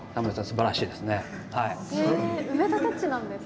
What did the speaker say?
すばらしいですね。